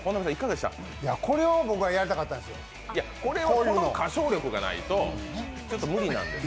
これを僕はやりたかったんですよ、こういうのこれは歌唱力がないと、ちょっと無理なんですよ。